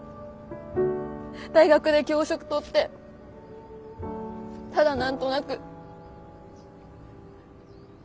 大学で教職とってただ何となく。